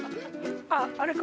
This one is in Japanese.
あっあれか。